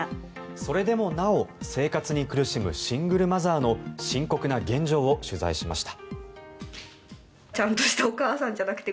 それでもなお生活に苦しむシングルマザーの深刻な現状を取材しました。